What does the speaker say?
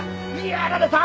やられた！